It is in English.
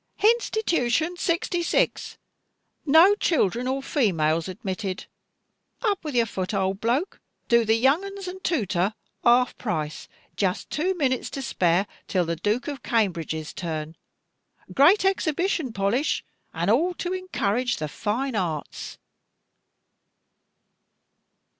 "Hinstitooshun 66. No children or females admitted. Up with your foot, old bloke! Do the young uns and tootor half price. Just two minutes to spare, till the Dook of Cambridge's turn. Great Exhibition polish, and all to encourage the fine arts."